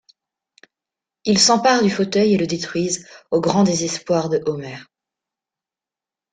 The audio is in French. Ils s'emparent du fauteuil et le détruisent, au grand désespoir de Homer.